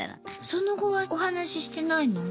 その後はお話ししてないの？